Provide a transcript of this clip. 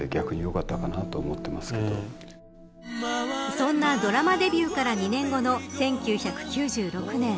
そんなドラマデビューから２年後の１９９６年。